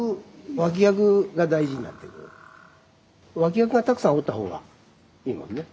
脇役がたくさんおった方がいいもんね。